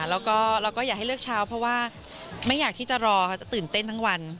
แล้วก็เราก็อยากให้เลือกเช้าเพราะว่าไม่อยากที่จะรอค่ะจะตื่นเต้นทั้งวัน